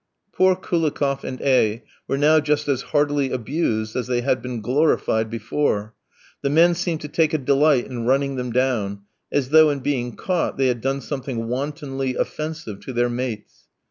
Poor Koulikoff and A v were now just as heartily abused as they had been glorified before; the men seemed to take a delight in running them down, as though in being caught they had done something wantonly offensive to their mates.